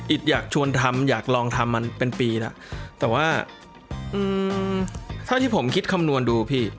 อยากชวนทำอยากลองทำมันเป็นปีแล้วแต่ว่าเท่าที่ผมคิดคำนวณดูพี่